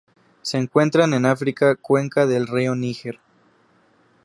Se encuentran en África: cuenca del río Níger.